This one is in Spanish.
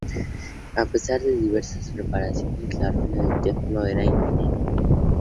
A pesar de las diversas reparaciones, la ruina del templo era inminente.